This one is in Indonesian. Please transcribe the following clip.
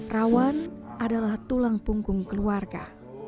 rawan adalah tulang punggung keluarga